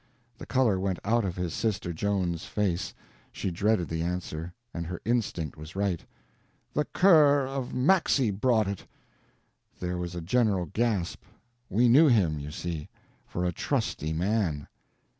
The color went out of his sister Joan's face. She dreaded the answer; and her instinct was right. "The cure of Maxey brought it." There was a general gasp. We knew him, you see, for a trusty man.